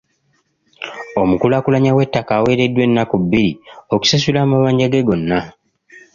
Omukulaakulanya w'ettaka aweereddwa ennaku bbiri okusasula amabanja ge gonna.